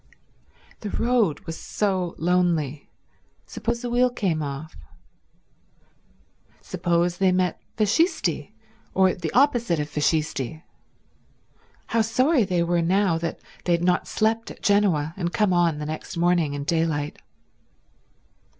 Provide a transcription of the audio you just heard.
The road was so lonely. Suppose a wheel came off. Suppose they met Fascisti, or the opposite of Fascisti. How sorry they were now that they had not slept at Genoa and come on the next morning in daylight.